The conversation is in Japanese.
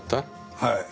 はい。